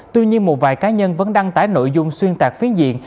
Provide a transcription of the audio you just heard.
tuy nhiên một vài cá nhân vẫn đăng tải nội dung xuyên tạc phiến diện